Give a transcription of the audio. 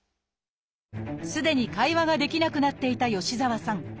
すでに会話ができなくなっていた吉澤さん。